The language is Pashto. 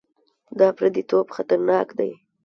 دا پرديتوب خطرناک دی.